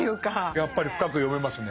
やっぱり深く読めますね。